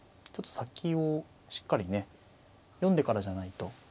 先をしっかりね読んでからじゃないと。